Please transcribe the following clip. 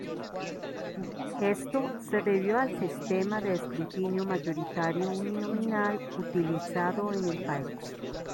Esto se debió al sistema de escrutinio mayoritario uninominal utilizado en el país.